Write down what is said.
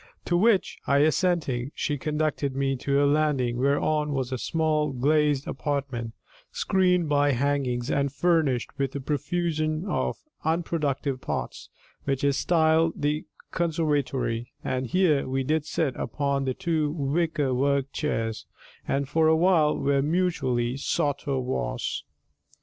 To which I assenting, she conducted me to a landing whereon was a small glazed apartment, screened by hangings and furnished with a profusion of unproductive pots, which is styled the conservatory, and here we did sit upon two wicker worked chairs, and for a while were mutually sotto voce.